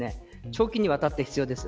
長期にわたって必要です。